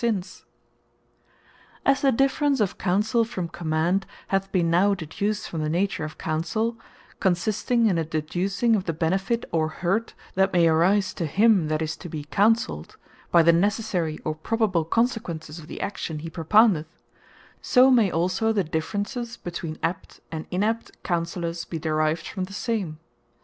Differences Of Fit And Unfit Counsellours As the difference of Counsell from Command, hath been now deduced from the nature of Counsell, consisting in a deducing of the benefit, or hurt that may arise to him that is to be Counselled, by the necessary or probable consequences of the action he propoundeth; so may also the differences between apt, and inept counsellours be derived from the same.